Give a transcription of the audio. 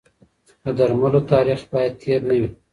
د درملو تاریخ باید تېر نه وي.